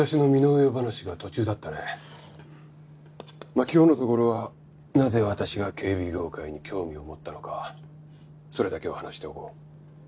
まあ今日のところはなぜ私が警備業界に興味を持ったのかそれだけは話しておこう。